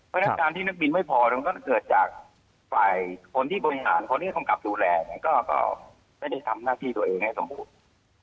เพราะฉะนั้นการที่นักบินไม่พอมันก็เกิดจากฝ่ายคนที่บริหารคนที่กำกับดูแลเนี่ยก็ไม่ได้ทำหน้าที่ตัวเองให้สมบูรณ์